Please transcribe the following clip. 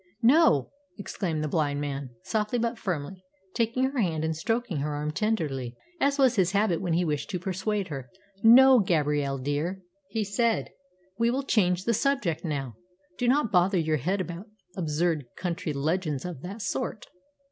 "No," exclaimed the blind man softly but firmly, taking her hand and stroking her arm tenderly, as was his habit when he wished to persuade her. "No, Gabrielle dear," he said; "we will change the subject now. Do not bother your head about absurd country legends of that sort.